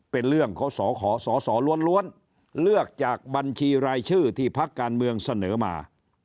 เป็นเรื่องของสสล้วนเลือกจากบัญชีรายชื่อที่พักการเมืองเสนอมา